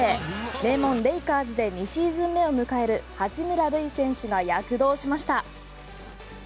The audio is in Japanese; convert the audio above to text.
名門レイカーズで２シーズン目を迎える八村塁選手が躍動しました。